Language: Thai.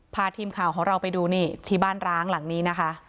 พาทีมข่าวของเราไปดูนี่ที่บ้านร้างหลังนี้นะคะ